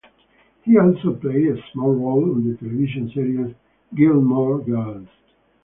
He also played a small role on the television series "Gilmore Girls".